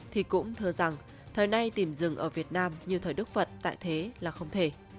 thì cũng thơ rằng thời nay tìm rừng ở việt nam như thời đức phật tại thế là không thể